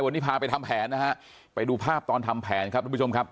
วันนี้พาไปทำแผนนะฮะไปดูภาพตอนทำแผนครับทุกผู้ชมครับ